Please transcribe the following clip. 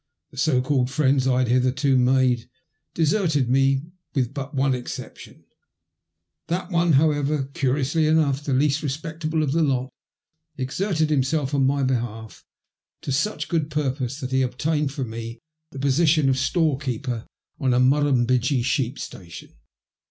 The so called friends I had hitherto made deserted me with but one exception. That MT CHANCE IN LIFE. 6 one, however, curionsly enough the least respectable of the lot, exerted himself on my behalf to such good purpose that he obtained for me the position of storekeeper on a Murrumbidgee sheep station.